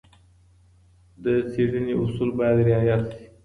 د څېړني اصول باید رعایت سي.